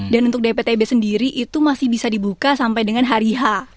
dan untuk dptb sendiri itu masih bisa dibuka sampai dengan hari h